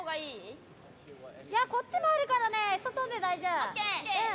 いや、こっちもあるから外で大丈夫。